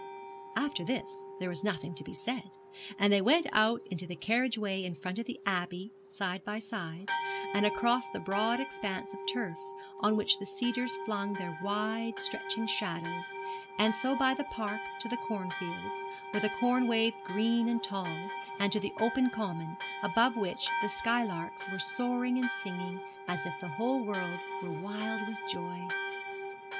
After this there was nothing to be said, and they went out into the carriage way in front of the Abbey, side by side, and across the broad expanse of turf, on which the cedars flung their wide stretching shadows, and so by the Park to the corn fields, where the corn waved green and tall, and to the open common, above which the skylarks were soaring and singing as if the whole world were wild with joy.